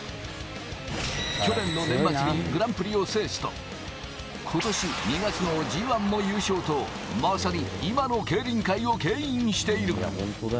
去年の年末にグランプリを制すと、今年２月のＧ１も優勝と、まさに今の競輪界をけん引している。